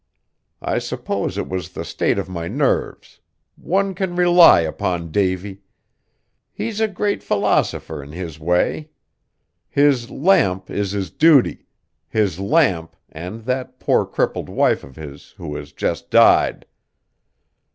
I suppose it was the state of my nerves; one can rely upon Davy. He's a great philosopher in his way. His lamp is his duty; his lamp and that poor crippled wife of his who has just died.